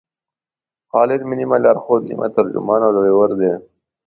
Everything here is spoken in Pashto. خالد مې نیمه لارښود، نیمه ترجمان او ډریور دی.